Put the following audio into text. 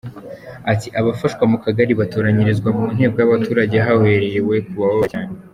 Ati “Abafashwa mu kagari batoranyirizwa mu nteko y’abaturage haherewe ku bababaye cyane.